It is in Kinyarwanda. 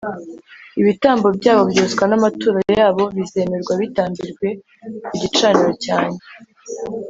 ibitambo byabo byoswa n’amaturo yabo bizemerwa bitambirwe ku gicaniro cyanjye;